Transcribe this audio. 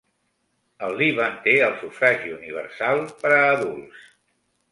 El Líban té el sufragi universal per a adults.